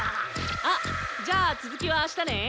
あっじゃあ続きはあしたね！